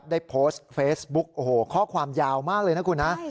ได้โพสต์เฟซบุ๊กโอ้โหข้อความยาวมากเลยนะคุณนะ